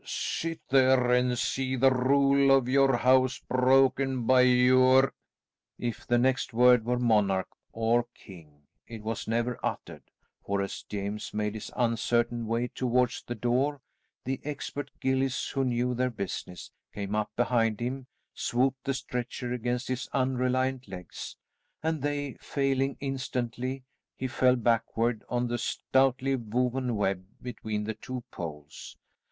Sit there and see the rule of your house broken by your " If the next word were "monarch," or "king," it was never uttered, for as James made his uncertain way towards the door, the expert gillies, who knew their business, came up behind him, swooped the stretcher against his unreliant legs, and they failing instantly, he fell backward on the stoutly woven web between the two poles.